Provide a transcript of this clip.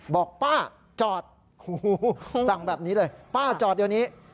บอกป้าจอดสั่งแบบนี้เลยป้าจอดเดี๋ยวนี้